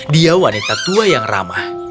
dia wanita tua yang ramah